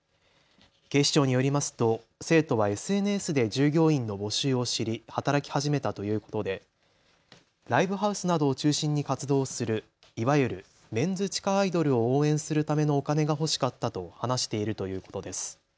警視庁によりますと生徒はＳＮＳで従業員の募集を知り働き始めたということでライブハウスなどを中心に活動するいわゆるメンズ地下アイドルを応援するためのお金が欲しかったと話しているということです。